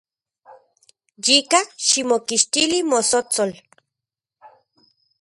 Yika, xikmokixtili motsotsol.